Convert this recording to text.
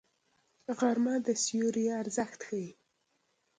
غرمه د سیوري ارزښت ښيي